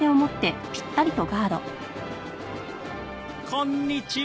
こんにちは。